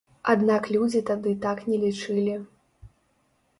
Аднак людзі тады так не лічылі.